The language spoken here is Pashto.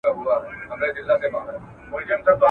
چي پر معصومو جنازو مي له شیطانه سره ,